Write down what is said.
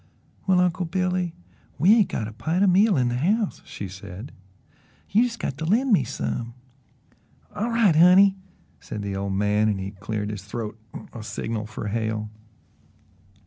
"Well, Uncle Billy, we ain't got a pint o' meal in the house," she said. "You jes' got to LEND me some." "All right, honey," said the old man, and he cleared his throat as a signal for Hale.